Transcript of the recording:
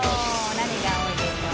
何が多いでしょう。